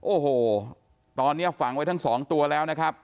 โอ้โหตอนนี้ฝังไว้ทั้งสองตัวแล้วนะครับ